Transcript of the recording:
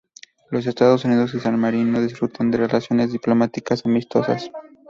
Los Estados Unidos y San Marino disfrutan de relaciones diplomáticas amistosas.